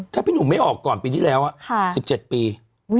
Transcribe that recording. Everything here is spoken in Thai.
ถ้าพี่หนุ่มไม่ออกก่อนปีที่แล้ว๑๗ปี